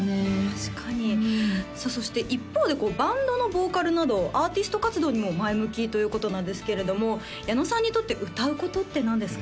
確かにさあそして一方でバンドのボーカルなどアーティスト活動にも前向きということなんですけれども矢野さんにとって歌うことって何ですか？